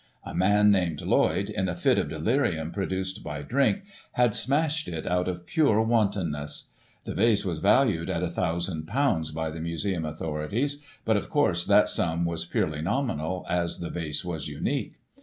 A man, named Lloyd, in a fit of delirium produced by drink, had smashed it out of pure wantonness. The vase was valued at ;£"i,ooo by the Museum authorities, but, of course, that sum was purely nominal, as the vase was unique.